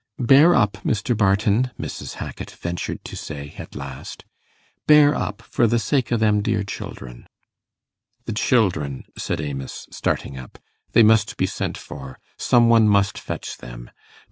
'Bear up, Mr. Barton,' Mrs. Hackit ventured to say at last; 'bear up, for the sake o' them dear children.' 'The children,' said Amos, starting up. 'They must be sent for. Some one must fetch them.